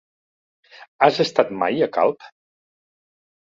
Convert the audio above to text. Has estat mai a Calp?